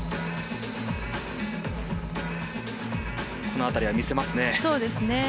この辺りは見せますね。